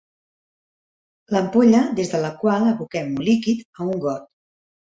L'ampolla des de la qual aboquem un líquid a un got.